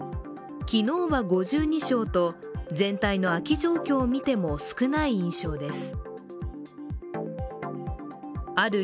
昨日は５２床と全体の空き状況を見ても少ない印象です。